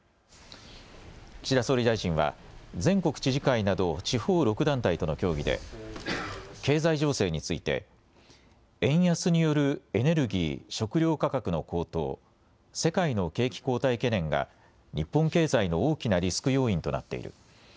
岸田総理大臣は全国知事会など地方６団体との協議で経済情勢について円安によるエネルギー、食料価格の高騰、世界の景気後退懸念が日本経済の大きなリスク要因となっている。